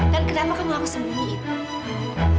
dan kenapa kamu harus sembunyiin